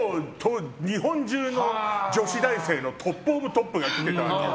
日本中の女子大生のトップオブトップが来てたわけよ。